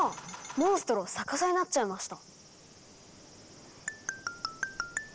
モンストロ逆さになっちゃいました。